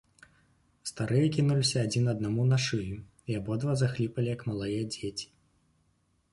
Старыя кінуліся адзін аднаму на шыю і абодва захліпалі, як малыя дзеці.